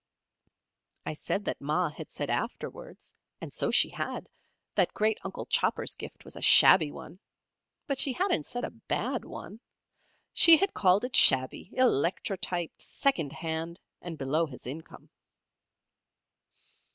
] I said that Ma had said afterwards (and so she had), that great uncle Chopper's gift was a shabby one; but she hadn't said a bad one. She had called it shabby, electrotyped, second hand, and below his income.